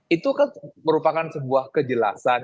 itu kan merupakan sebuah kejelasan